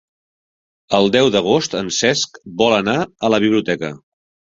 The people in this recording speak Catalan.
El deu d'agost en Cesc vol anar a la biblioteca.